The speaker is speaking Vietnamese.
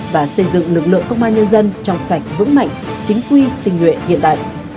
và xây dựng lực lượng công an nhân dân trong sạch vững mạnh chính quy tình nguyện hiện đại